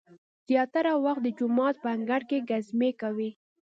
زیاتره وخت د جومات په انګړ کې ګزمې کوي.